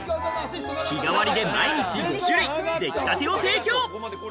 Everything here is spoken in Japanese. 日替わりで毎日５種類、できたてを提供。